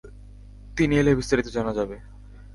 তিনি এলে বিস্তারিত জানা যাবে।